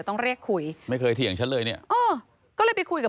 ยังเลยจ้ะยังฉันยังไม่เจอเลยจ้ะ